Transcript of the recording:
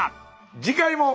次回も。